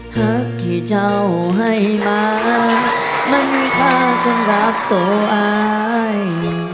หักที่เจ้าให้มาไม่มีค่าสำหรับตัวอาย